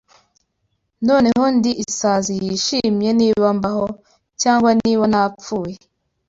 Noneho ndi Isazi yishimye Niba mbaho, Cyangwa niba napfuye